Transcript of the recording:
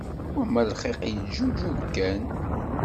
Wamma lxiq yeǧǧuǧug kan.